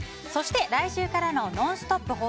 そして来週からの「ノンストップ！」